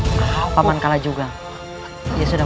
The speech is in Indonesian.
pertama kali pak man sudah menemukan yudhara rasantang